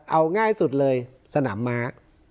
เอาง่ายสุดเลยสนามม้า